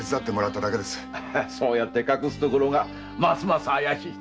そうやって隠すところがますます怪しい。